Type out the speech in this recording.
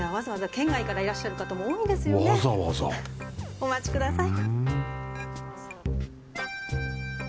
お待ちください。